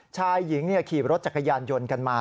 ชายหญิงขี่รถจักรยานยนต์กันมา